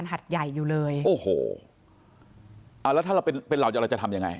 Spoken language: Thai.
โรงพยาบาลหัดใหญ่อยู่เลยแล้วเราเป็นเหล่าจะทำยังไง